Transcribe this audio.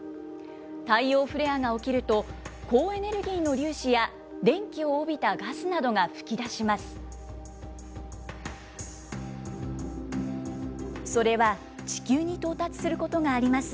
太陽フレアが起きると、高エネルギーの粒子や電気を帯びたガスなどが噴き出します。